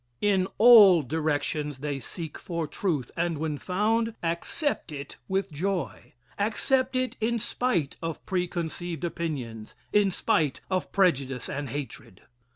In all directions they seek for truth, and when found, accept it with joy accept it in spite of preconceived opinions in spite of prejudice and hatred.